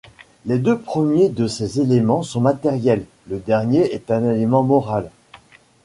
Les deux premiers de ces éléments sont matériels, le dernier est un élément moral.